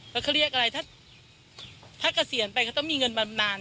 แล้วเขาเรียกอะไรถ้าเกษียณไปก็ต้องมีเงินบำนาน